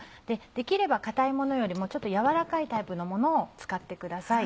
できれば硬いものよりもちょっとやわらかいタイプのものを使ってください。